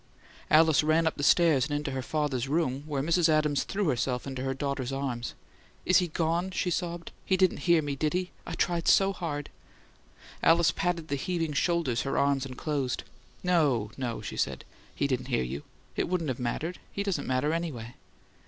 Alice ran up the stairs and into her father's room, where Mrs. Adams threw herself into her daughter's arms. "Is he gone?" she sobbed. "He didn't hear me, did he? I tried so hard " Alice patted the heaving shoulders her arms enclosed. "No, no," she said. "He didn't hear you it wouldn't have mattered he doesn't matter anyway."